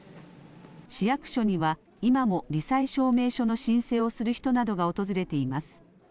市役所には、今もり災証明書の申請をする人などが訪れています。